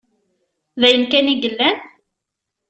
D ayen kan i yellan?